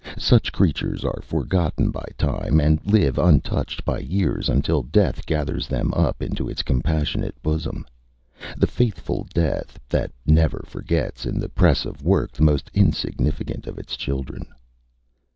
Such creatures are forgotten by time, and live untouched by years till death gathers them up into its compassionate bosom; the faithful death that never forgets in the press of work the most insignificant of its children.